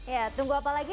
ya tunggu apa lagi